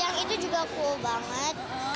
yang itu juga full banget